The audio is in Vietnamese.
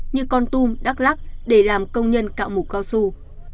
như con tum đắk lắc để làm công nhân cạo mũ cao su